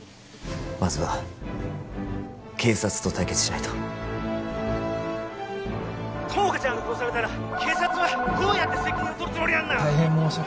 まずは警察と対決しないと☎友果ちゃんが殺されたら☎警察はどうやって責任を取るつもりなんだ！？